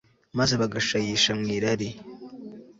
maze bagashayisha mu irari